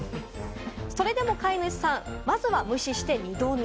それでも飼い主さん、まずは無視して二度寝。